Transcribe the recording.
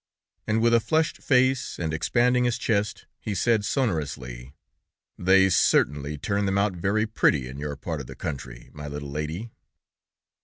And with a flushed face, and expanding his chest, he said sonorously: "They certainly turn them out very pretty in your part of the country, my little lady!"